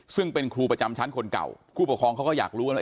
ซึ่งเป็นครูประจำชั้นคนเก่าผู้ปกครองเขาก็อยากรู้ว่า